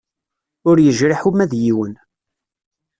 Ur yejriḥ uma d yiwen.